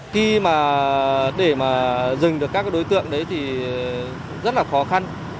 khi mà để mà dừng được các đối tượng đấy thì rất là khó khăn